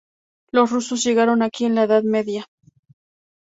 Los rusos llegaron aquí en la Edad Media.